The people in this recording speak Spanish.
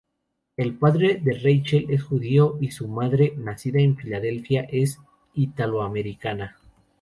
El padre de Rachel es judío y su madre, nacida en Filadelfia, es italoamericana.